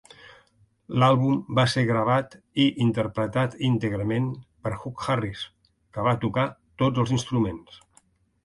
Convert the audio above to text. L'àlbum va ser gravat i interpretat íntegrament per Hutch Harris, que va tocar tots els instruments.